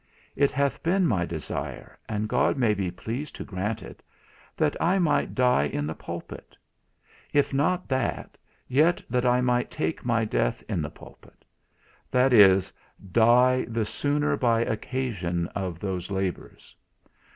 It hath been my desire, and God may be pleased to grant it, that I might die in the pulpit; if not that, yet that I might take my death in the pulpit; that is, die the sooner by occasion of those labours.